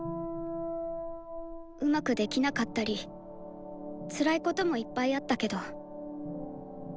うまくできなかったりつらいこともいっぱいあったけど。